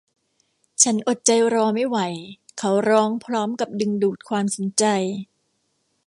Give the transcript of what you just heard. ฉันอดใจรอไม่ไหวเขาร้องพร้อมกับดึงดูดความสนใจ